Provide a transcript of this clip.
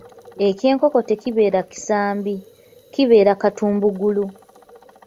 Eky’enkoko tekibeera kisambi, kibeera katumbugulu.